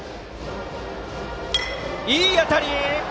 いい当たり！